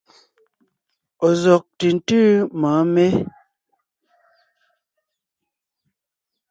Ɔ̀ zɔ́g ntʉ̀ntʉ́ mɔ̌ɔn mé?